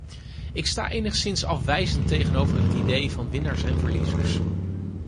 Ik sta enigszins afwijzend tegenover het idee van winnaars en verliezers.